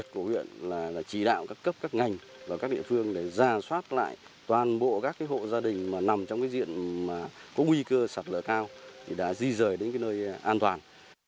các địa phương đã ra soát lại toàn bộ các hộ gia đình nằm trong diện có nguy cơ xả lở cao đã di rời đến nơi an toàn